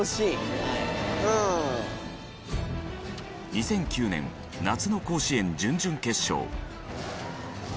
２００９年夏の甲子園準々決勝。